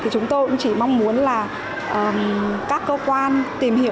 chúng tôi cũng chỉ mong muốn là các cơ quan tìm hiểu